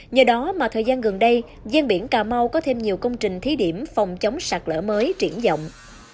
nhờ đó mà thời gian gần đây gian biển cà mau có thêm nhiều công trình thí điểm phòng chống sạt lỡ mới triển dọng